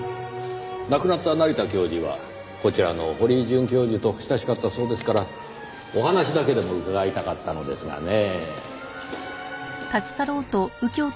亡くなった成田教授はこちらの堀井准教授と親しかったそうですからお話だけでも伺いたかったのですがねぇ。